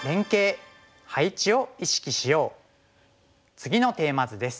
次のテーマ図です。